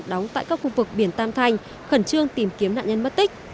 đóng tại các khu vực biển tam thanh khẩn trương tìm kiếm nạn nhân mất tích